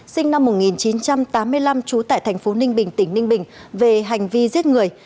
sinh năm một nghìn chín trăm tám mươi năm trú tại thành phố ninh bình tỉnh ninh bình về hành vi giết người